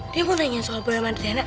dia mau nanya soal berapa ada diana